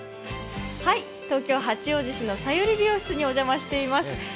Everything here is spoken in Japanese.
東京・八王子市のさゆり美容室にお邪魔しています。